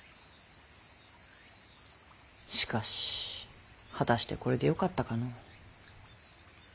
しかし果たしてこれでよかったかの。